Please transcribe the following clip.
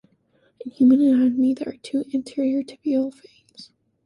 In human anatomy, there are two anterior tibial veins.